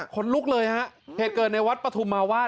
คนลุกเลยฮะเหตุเกิดในวัดปฐุมมาวาด